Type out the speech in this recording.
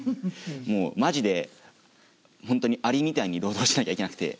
まじで本当にアリみたいに労働しなきゃいけなくて。